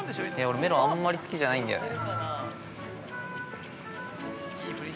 俺、メロン、あんまり好きじゃないんだよね。